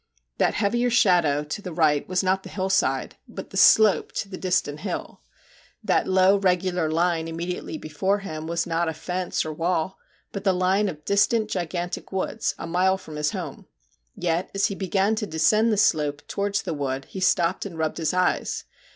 That heavier shadow to the MR. JACK HAMLIN'S MEDIATION 35 right was not the hillside, but the slope to the distant hill ; that low, regular line immediately before him was not a fence or wall, but the line of distant gigantic woods a mile from his home. Yet as he began to descend the slope towards the wood, he stopped and rubbed his eyes.